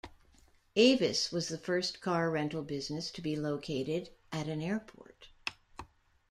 Avis was the first car rental business to be located at an airport.